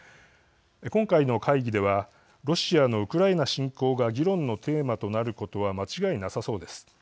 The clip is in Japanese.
今回の会議ではロシアのウクライナ侵攻が議論のテーマとなることは間違いなさそうです。